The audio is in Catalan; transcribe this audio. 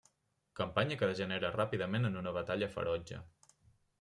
Campanya que degenera ràpidament en una batalla ferotge.